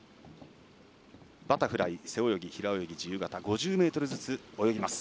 バタフライ、背泳ぎ、平泳ぎ自由形５０ｍずつ泳ぎます。